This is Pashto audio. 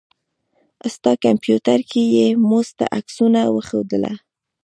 ستا کمپيوټر کې يې موږ ته عکسونه وښودله.